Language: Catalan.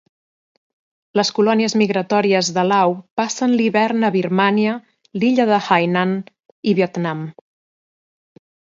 Les colònies migratòries de l'au passen l'hivern a Birmània, l'illa de Hainan i Vietnam.